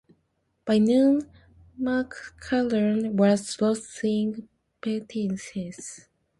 By noon, McClellan was losing patience.